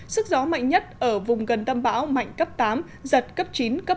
sức gió mạnh nhất ở vùng gần tâm bão mạnh cấp tám giật cấp chín cấp một mươi